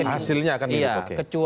hasilnya akan mirip oke